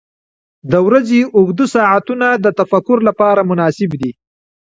• د ورځې اوږده ساعتونه د تفکر لپاره مناسب دي.